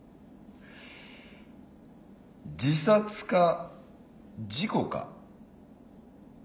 自殺か事故か。